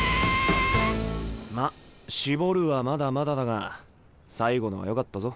まあ絞るはまだまだだが最後のはよかったぞ。